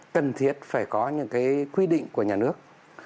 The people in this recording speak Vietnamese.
cần thiết phải có những cái quy định của nhà nước